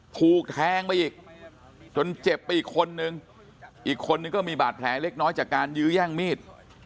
ถูกแทงไปอีกจนเจ็บไปอีกคนนึงอีกคนนึงก็มีบาดแผลเล็กน้อยจากการยื้อแย่งมีด